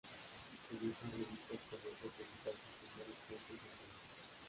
En estas revistas comenzó a publicar sus primeros cuentos y ensayos.